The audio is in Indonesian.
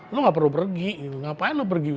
lo gak perlu pergi ngapain lo pergi